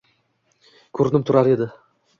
ko‘rinib turar edi!